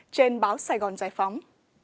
trên báo sài gòn giải phóng